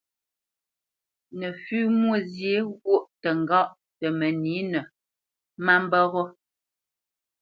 Nəfʉ́ Mwôzyě ghwôʼ təŋgáʼ tə mənǐnə má mbə́ ghó.